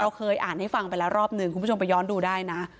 เคยอ่านให้ฟังไปแล้วรอบหนึ่งคุณผู้ชมไปย้อนดูได้นะ